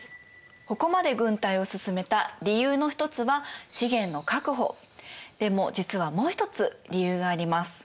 ここまで軍隊を進めた理由の一つはでも実はもう一つ理由があります。